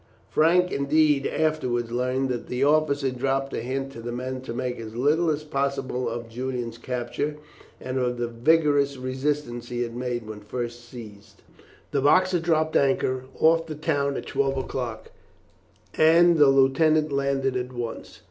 Frank, indeed, afterwards learned that the officer dropped a hint to the men to make as little as possible of Julian's capture, and of the vigorous resistance he had made when first seized. The Boxer dropped anchor off the town at twelve o'clock, and the lieutenant landed at once.